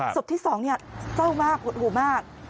สกที่สองเศร้ามากหุ่นหู้มาก